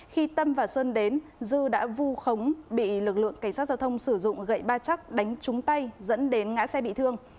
khi tâm và sơn đến dư đã vu khống bị lực lượng cảnh sát giao thông sử dụng gậy ba chắc đánh trúng tay dẫn đến ngã xe bị thương